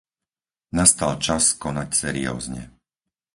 Nastal čas konať seriózne.